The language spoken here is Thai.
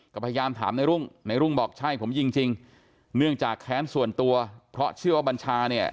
ก็พยายามถามในรุ่งในรุ่งบอกใช่ผมยิงจริงเนื่องจากแค้นส่วนตัวเพราะเชื่อว่าบัญชาเนี่ย